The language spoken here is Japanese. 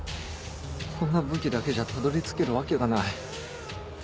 こんな武器だけじゃたどり着けるわけがない。